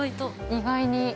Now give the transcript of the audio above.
◆意外に。